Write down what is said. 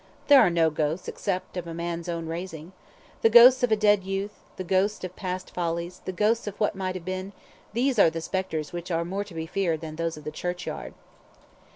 There are no ghosts, except of a man's own raising. The ghosts of a dead youth the ghosts of past follies the ghosts of what might have been these are the spectres which are more to be feared than those of the churchyard."